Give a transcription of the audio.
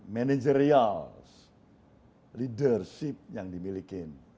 managerial leadership yang dimiliki